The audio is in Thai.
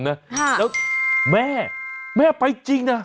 แล้วแม่แม่ไปจริงนะ